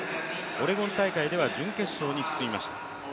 オレゴン大会では準決勝に進みました。